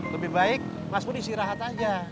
lebih baik mas pur disirahat aja